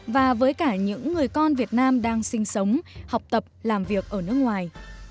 và với cả những người con việt nam đang sinh sống học tập làm việc ở nước ngoài